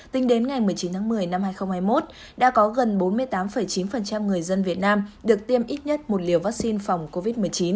tính đến ngày một mươi chín tháng một mươi năm hai nghìn hai mươi một đã có gần bốn mươi tám chín người dân việt nam được tiêm ít nhất một liều vaccine phòng covid một mươi chín